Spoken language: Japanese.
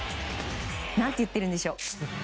何と言っているんでしょう。